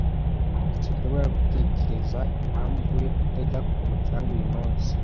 Sinshobora gutekereza impamvu yo kutajya ku mucanga uyumunsi.